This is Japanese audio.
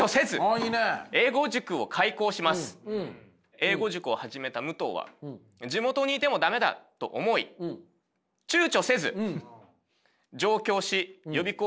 英語塾を始めた武藤は地元にいても駄目だと思い躊躇せず上京し予備校講師になります。